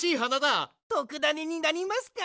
とくダネになりますか？